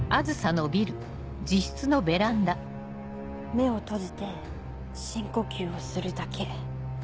目を閉じて深呼吸をするだけ。